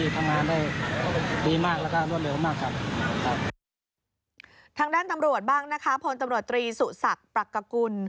ทางด้านตำรวจบ้างนะครับพตรีสุสักปรักกกุล